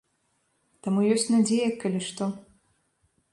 Таму ёсць надзея, калі што.